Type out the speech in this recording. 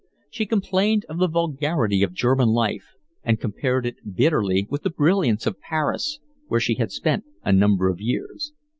She complained of the vulgarity of German life, and compared it bitterly with the brilliance of Paris, where she had spent a number of years.